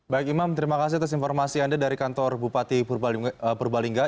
baik imam terima kasih atas informasi anda dari kantor bupati purbalingga